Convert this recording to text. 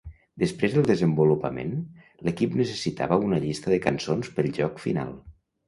Després del desenvolupament, l'equip necessitava una llista de cançons pel joc final.